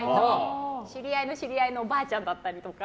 知り合いの知り合いのおばあちゃんだったりとか。